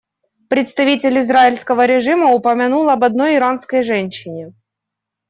Представитель израильского режима упомянул об одной иранской женщине.